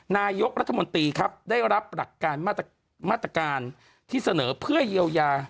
นายกรัฐมนตรีครับได้รับหลักการมาตรการที่เสนอเพื่อเยียวยา